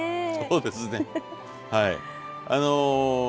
そうですねはい。